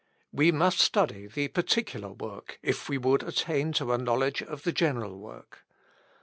We must study the particular work, if we would attain to a knowledge of the general work.